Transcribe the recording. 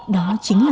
đó chính là